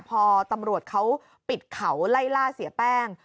พอตำรวจเขาปิดเขาไล่ล่าเสียแป้ง